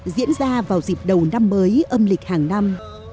diễn ra vào dịp đầu năm mới âm lịch hàng năm